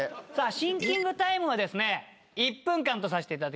シンキングタイムは１分間とさせていただきます。